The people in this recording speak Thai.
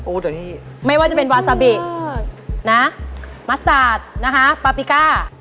แต่นี่ไม่ว่าจะเป็นวาซาบินะมัสตาร์ทนะคะปาปิก้า